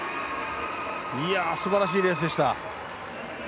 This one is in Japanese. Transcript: すばらしいレースでした。